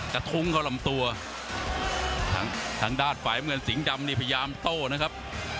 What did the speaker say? กระทุ้งเข้าลำตัวทางด้านฝ่ายเมืองสิงห์ดำนี่พยายามโต้นะครับ